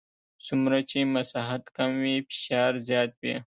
څومره چې مساحت کم وي فشار زیات وي.